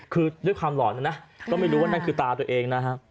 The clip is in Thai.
คือด้วยความหลอนนะนะก็ไม่รู้ว่านั่นคือตาตัวเองนะฮะ